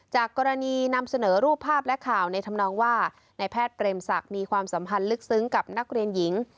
กรณีนำเสนอรูปภาพและข่าวในธรรมนองว่าในแพทย์เปรมศักดิ์มีความสัมพันธ์ลึกซึ้งกับนักเรียนหญิง